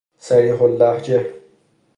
صریح اللهجه